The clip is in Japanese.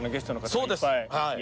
そうです。